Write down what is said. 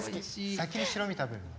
先に白身食べるの？